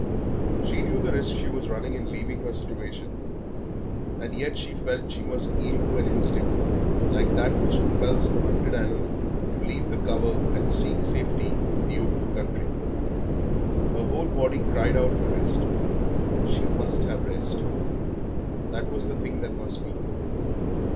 She knew the risk she was running in leaving her situation, and yet she felt she must yield to an instinct like that which impels the hunted animal to leave the cover and seek safety in the open country. Her whole body cried out for rest, she must have rest; that was the thing that must be.